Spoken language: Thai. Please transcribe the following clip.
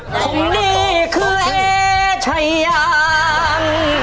ผมนี่คือไอ้ชายยาม